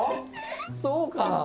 そうか。